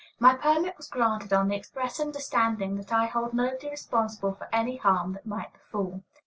My permit was granted on the express understanding that I hold nobody responsible for any harm that might befall.